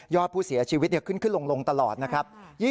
อดผู้เสียชีวิตขึ้นลงตลอดนะครับ